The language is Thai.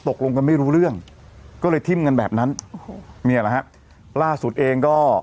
ตกลงกันไม่รู้เรื่องก็เลยทิ้มกันแบบนั้นโอ้โหเนี่ยแหละฮะล่าสุดเองก็